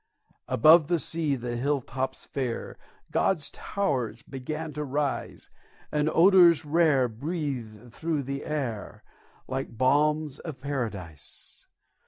Above the sea the hill tops fair God's towers began to rise, And odors rare breathe through the air, Like balms of Paradise.